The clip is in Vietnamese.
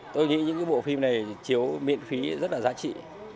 tôi nghĩ những cái bộ phim này chiếu miễn phí rất là giá trị